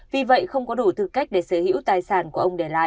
vì vậy không có đủ thư cách để sở hữu tài sản